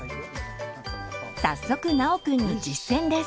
早速尚くんに実践です。